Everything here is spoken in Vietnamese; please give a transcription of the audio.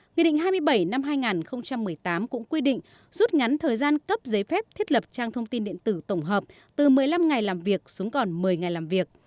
nghị định hai mươi bảy năm hai nghìn một mươi tám cũng quy định rút ngắn thời gian cấp giấy phép thiết lập trang thông tin điện tử tổng hợp từ một mươi năm ngày làm việc xuống còn một mươi ngày làm việc